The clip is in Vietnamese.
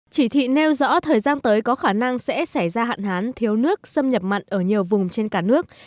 chỉ thị nêu rõ thời gian tới có khả năng sẽ xảy ra hạn hán thiếu nước xâm nhập mặn ở nhiều vùng trên cả nước